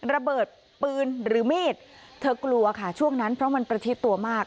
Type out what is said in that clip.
ระเบิดปืนหรือมีดเธอกลัวค่ะช่วงนั้นเพราะมันประชิดตัวมาก